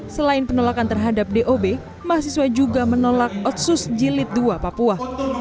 selain penolakan terhadap dob mahasiswa juga menolak otsus jilid dua papua